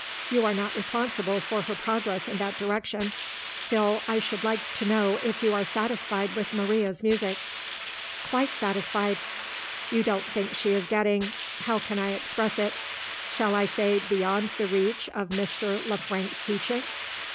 You are not responsible for her progress in that direction. Still, I should like to know if you are satisfied with Maria's music?" "Quite satisfied." "You don't think she is getting how can I express it? shall I say beyond the reach of Mr. Le Frank's teaching?"